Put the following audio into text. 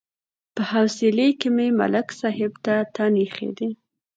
په حوصله کې مې ملک صاحب ته تن ایښی دی.